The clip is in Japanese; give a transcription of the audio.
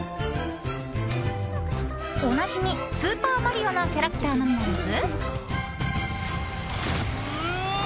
おなじみ「スーパーマリオ」のキャラクターのみならず。